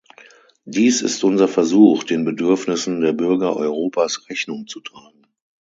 Dies ist unser Versuch, den Bedürfnissen der Bürger Europas Rechnung zu tragen.